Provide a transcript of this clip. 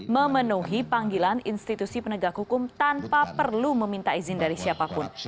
memenuhi panggilan institusi penegak hukum tanpa perlu meminta izin dari siapapun